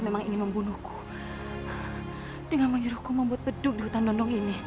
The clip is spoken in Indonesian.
jangan jangan ayo kita ke masjid